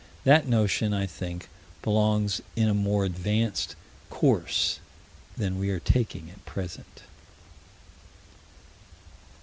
That notion, I think, belongs in a more advanced course than we are taking at present.